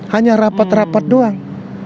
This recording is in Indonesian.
hanya rapat rapat doang